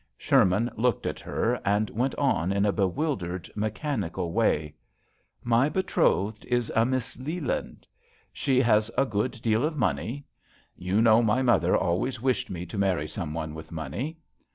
Sherman looked at her, and went on in a bewildered, me chanical way "My betrothed is a Miss Leland. She has a good deal of money. You know my mother always wished me to marry some one with money.